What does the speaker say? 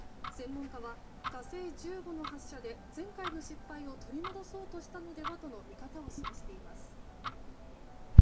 専門家は「火星１５」の発射で前回の失敗を取り戻そうとしたのではとの見方を示しています。